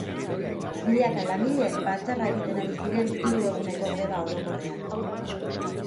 Milaka langile batzarra egiten ari ziren hiru eguneko greba orokorrean.